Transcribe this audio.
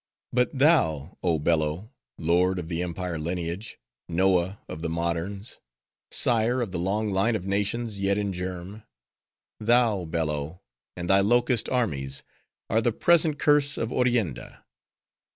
But thou, oh Bello! lord of the empire lineage! Noah of the moderns. Sire of the long line of nations yet in germ!— thou, Bello, and thy locust armies, are the present curse of Orienda.